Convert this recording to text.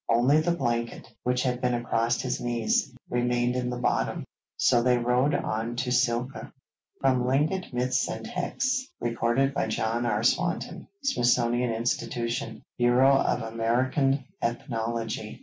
Only the blanket, which had been across his knees, remained in the bottom. So they rowed on to Silka. [From Tlingit Myths and Texts, recorded by JOHN R. SWANTON, Smithsonian Institution, Bureau of American Ethnology.